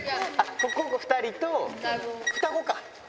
ここ２人と、双子か。